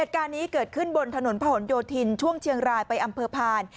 เหตุการณ์นี้เกิดขึ้นบนถนนผนโยธินช่วงเชียงรายไปอำเภอพาน